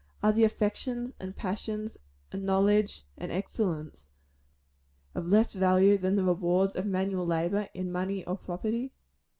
Are the affections, and passions, and knowledge, and excellence, of less value than the rewards of manual labor, in money or property?